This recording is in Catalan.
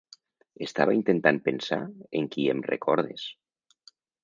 Estava intentant pensar en qui em recordes.